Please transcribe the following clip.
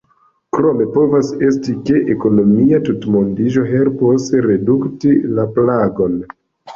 Krome povas esti, ke ekonomia tutmondiĝo helpos redukti la plagon.